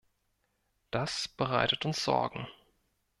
Das bereitet uns Sorgen.